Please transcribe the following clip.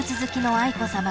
愛子さま！